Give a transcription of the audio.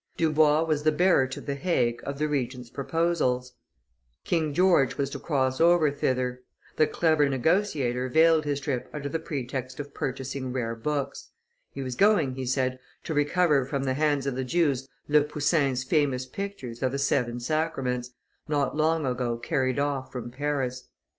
Dubois was the bearer to the Hague of the Regent's proposals; King George was to cross over thither; the clever negotiator veiled his trip under the pretext of purchasing rare books; he was going, he said, to recover from the hands of the Jews Le Poussin's famous pictures of the Seven Sacraments, not long ago carried off from Paris.